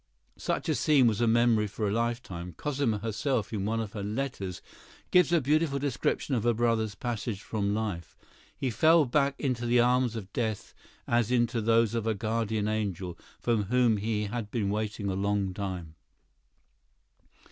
Such a scene was a memory for a lifetime. Cosima herself, in one of her letters, gives a beautiful description of her brother's passage from life. "He fell back into the arms of death as into those of a guardian angel, for whom he had been waiting a long time.